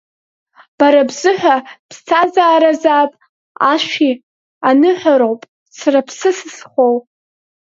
Бара бзыҳәа ԥсҭазааразаап ашәи, аныҳәароуп сара ԥсыс исхоу.